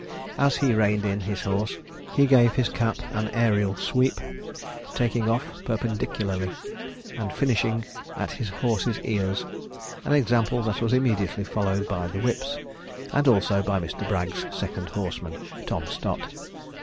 As he reined in his horse, he gave his cap an aerial sweep, taking off perpendicularly, and finishing at his horse's ears an example that was immediately followed by the whips, and also by Mr. Bragg's second horseman, Tom Stot.